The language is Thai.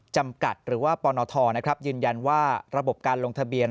จำกัดหรือว่าปนทยืนยันว่าระบบการลงทะเบียน